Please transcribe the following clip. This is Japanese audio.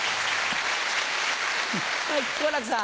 好楽さん。